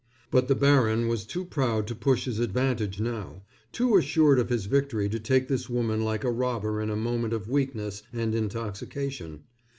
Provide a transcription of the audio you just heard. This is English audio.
But the baron was too proud to push his advantage now, too assured of his victory to take this woman like a robber in a moment of weakness and intoxication.